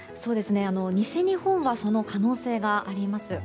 西日本はその可能性があります。